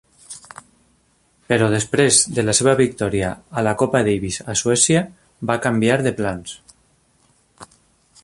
Però després de la seva victòria a la Copa Davis a Suècia, va canviar de plans.